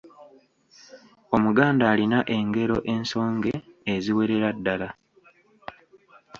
Omuganda alina engero ensonge eziwerera ddala.